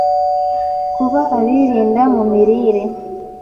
kuba abirinda mu mirire;